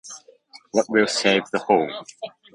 What will save the home?